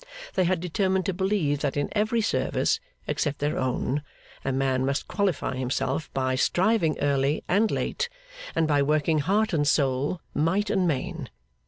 They had determined to believe that in every service, except their own, a man must qualify himself, by striving early and late, and by working heart and soul, might and main.